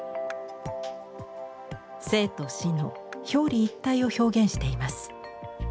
生と死の表裏一体を表現しています。